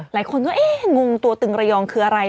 หลายคนก็เอ๊ะงงตัวตึงระยองคืออะไร